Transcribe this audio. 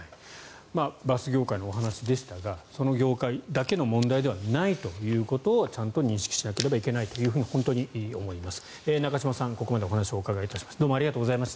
バス業界のお話でしたがその業界だけの問題ではないというのをちゃんと認識しなければいけないと本当に思います。